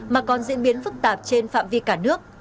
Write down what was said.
mà còn diễn biến phức tạp trên phạm vi cả nước